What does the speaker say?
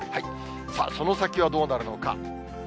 さあ、その先はどうなるのか。